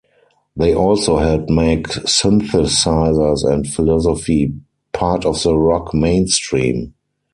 They also helped make synthesizers and philosophy "part of the rock mainstream".